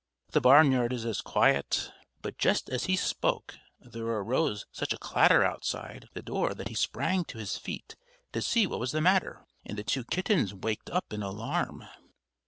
"The barnyard is as quiet" but just as he spoke there arose such a clatter outside the door that he sprang to his feet to see what was the matter, and the two kittens waked up in alarm.